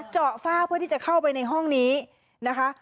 เจาะฝ้าเพื่อที่จะเข้าไปในห้องนี้นะคะ